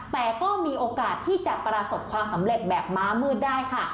แต่ก็มีโอกาสที่จะประสบความสำเร็จแบบม้ามืดได้ค่ะ